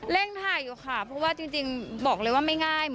ถ่ายอยู่ค่ะเพราะว่าจริงบอกเลยว่าไม่ง่าย